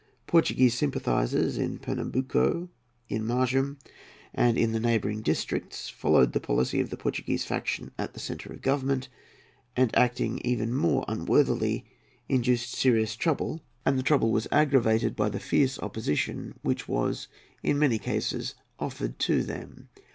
Portuguese sympathizers in Pernambuco, in Maranham, and in the neighbouring districts, following the policy of the Portuguese faction at the centre of government, and acting even more unworthily, induced serious trouble; and the trouble was aggravated by the fierce opposition which was in many cases offered to them.